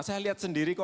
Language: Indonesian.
saya lihat sendiri